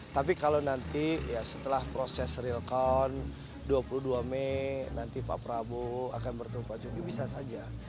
tapi kalau nanti ya setelah proses real count dua puluh dua mei nanti pak prabowo akan bertemu pak jokowi bisa saja